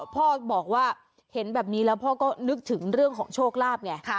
พ่อบอกว่าเห็นแบบนี้แล้วพ่อก็นึกถึงเรื่องของโชคลาภไง